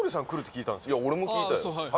いや俺も聞いたよ。